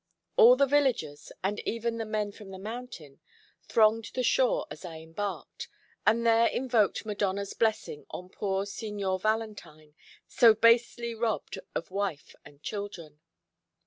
All the villagers, and even the men from the mountain, thronged the shore as I embarked, and there invoked Madonna's blessing on poor Signor Valentine, so basely robbed of wife and children.